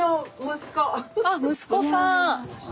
あっ息子さん。